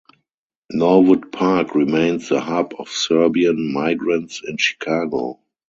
Norwood Park remains the hub of Serbian migrants in Chicago.